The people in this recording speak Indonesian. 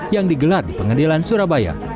yang digelar di pengadilan surabaya